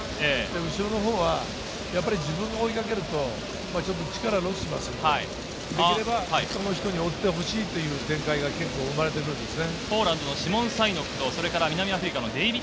後ろのほうは自分は追いかけると、力がロスしますからできれば追ってほしいという展開が生まれてるわけですね。